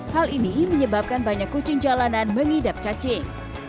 hal ini menyebabkan banyak kucing jalanan yang terlalu banyak